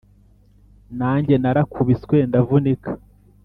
nanjye, narakubiswe ndavunika,